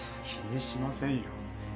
気にしませんよ。